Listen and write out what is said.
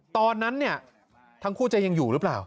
ตอนนั้นเนี่ยทั้งคู่จะยังอยู่หรือเปล่า